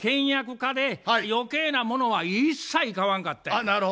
倹約家で余計なものは一切買わんかったんや。